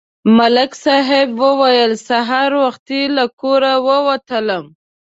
ملک صاحب وویل: سهار وختي له کوره ووتلم